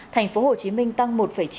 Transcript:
thành phố hồ chí minh tăng một chín